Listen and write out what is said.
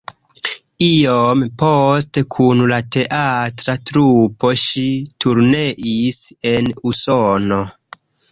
Iom poste kun la teatra trupo ŝi turneis en Usono.